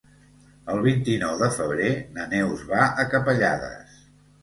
El vint-i-nou de febrer na Neus va a Capellades.